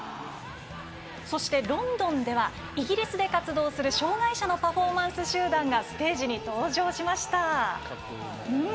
そして、ロンドンではイギリスで活動する障がい者のパフォーマンス集団がステージに登場しました。